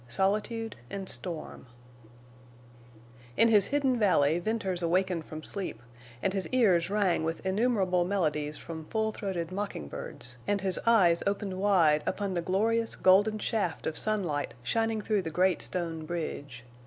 SOLITUDE AND STORM In his hidden valley Venters awakened from sleep, and his ears rang with innumerable melodies from full throated mockingbirds, and his eyes opened wide upon the glorious golden shaft of sunlight shining through the great stone bridge.